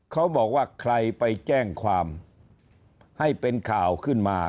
เขาบอกว่าใครไปแจ้งความให้เป็นข่าวขึ้นมา